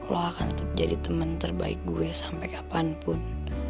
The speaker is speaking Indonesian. lo akan tetep jadi temen terbaik gue sampe kapanpun